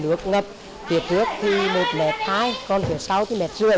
nước ngập tiệt nước thì một m hai còn phía sau thì một m ba mươi